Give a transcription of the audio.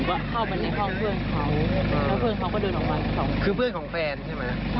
เดี๋ยวเพื่อนหนูมาส่งหนูที่บ้านแฟน